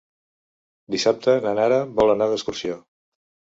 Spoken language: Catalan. Dissabte na Nara vol anar d'excursió.